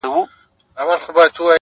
چي خپلي سپيني او رڼې اوښـكي يې ـ